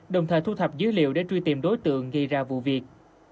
đồng thời thu thập dữ liệu để truy tìm đối tượng gây ra vụ việc